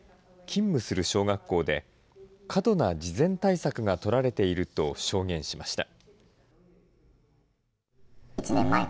勤務する小学校で、過度な事前対策が取られていると証言しました。